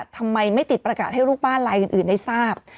ทำไมไม่ติดประกาศให้ลูกบ้านลายอื่นได้ทราบ